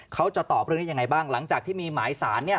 ขอบเรื่องนี้ยังไงบ้างหลังจากที่มีหมายสาร